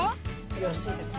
よろしいですか？